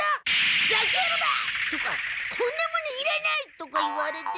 「ふざけるな！」とか「こんなものいらない！」とか言われて。